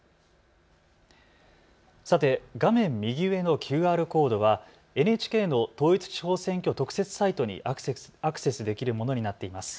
さて、画面右上のＱＲコードはＮＨＫの統一地方選挙特設サイトにアクセスできるものになっています。